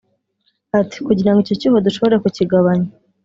Ati “Kugira ngo icyo cyuho dushobore kukigabanya